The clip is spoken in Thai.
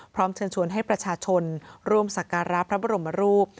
เชิญชวนให้ประชาชนร่วมสักการะพระบรมรูป